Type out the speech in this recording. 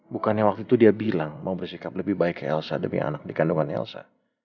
bukannya waktu itu dia bilang mau bersikap lebih baik ke elsa demi anak dikandungan elsa